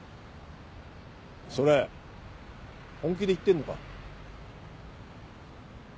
それ本気で言ってんのか？